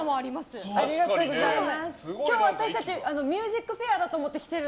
本気でありがとうございます。